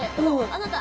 あなた。